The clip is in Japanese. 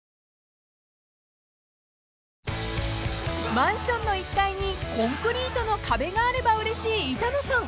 ［マンションの１階にコンクリートの壁があればうれしい板野さん］